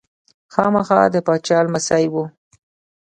خاما د پاچا لمسی و.